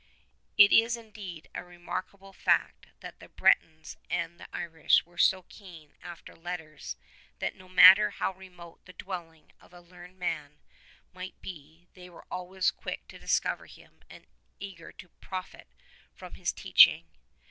It is indeed a remarkable fact that the Bretons and the Irish were so keen after letters that no matter how remote the dwelling of a learned man might be they were always quick to discover him and eager to profit by his teaching.